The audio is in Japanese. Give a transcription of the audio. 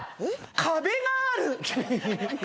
壁がある！